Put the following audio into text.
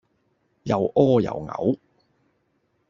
又屙又嘔